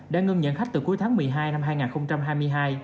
đã ngân nhận khách từ cuối tháng một mươi hai năm hai nghìn hai mươi hai